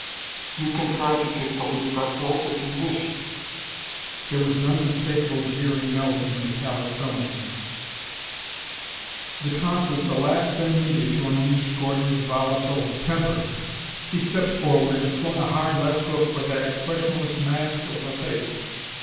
"You can try to take the lady by force if you wish." There was an unmistakable jeering note in the metallic tones. The taunt was the last thing needed to unleash Gordon's volatile temper. He stepped forward and swung a hard left hook for that expressionless masque of a face.